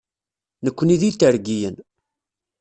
Nekni d Itergiyen.